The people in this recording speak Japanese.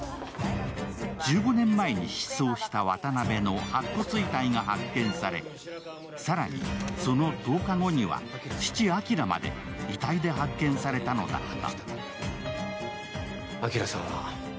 １５年前に失踪した渡辺の白骨遺体が発見され、更にその１０日後には父・昭まで遺体で発見されたのだった。